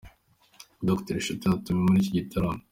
Dj Shooter yatumiwe muri iki gitaramo.